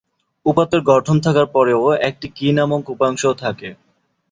উপাত্তের গঠন থাকার পরেও একটি কী নামক উপাংশ থাকে।